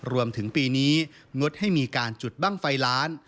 รวมถึงปีนี้งดให้มีการจุดบ้างไฟล้าน